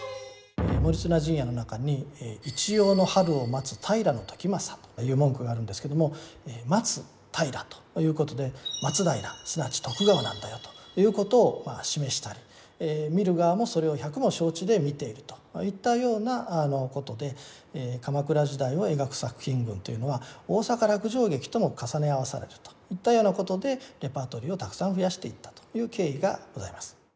「盛綱陣屋」の中にという文句があるんですけども「待つ平」ということで「松平」すなわち徳川なんだよということを示したり見る側もそれを百も承知で見ているといったようなことで鎌倉時代を描く作品群というのは大坂落城劇とも重ね合わされるといったようなことでレパートリーをたくさん増やしていったという経緯がございます。